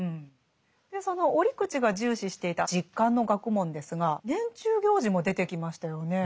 その折口が重視していた実感の学問ですが年中行事も出てきましたよね。